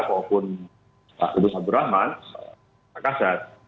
maupun pak udhul fadlur rahman pak kasar